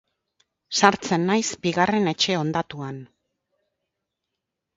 Sartzen naiz bigarren etxe hondatuan.